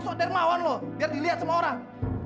koso dermawan lo biar dilihat sama orang